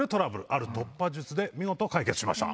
ある突破術で見事解決しました。